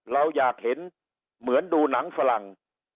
เราอยากเห็นเหมือนดูหนังฝรั่ง